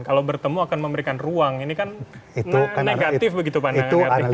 kalau bertemu akan memberikan ruang ini kan negatif begitu pandangan hati